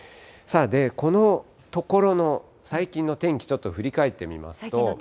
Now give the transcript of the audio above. このところの、最近の天気、ちょっと振り返ってみますと。